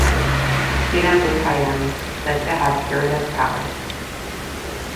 Kinabuhayan, said to have curative powers.